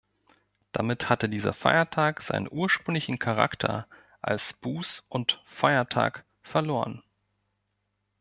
Damit hatte dieser Feiertag seinen ursprünglichen Charakter als Buß- und Feiertag verloren.